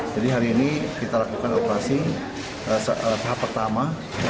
hari ini kita lakukan operasi tahap pertama